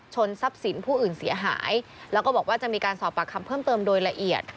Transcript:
ทรัพย์สินผู้อื่นเสียหายแล้วก็บอกว่าจะมีการสอบปากคำเพิ่มเติมโดยละเอียด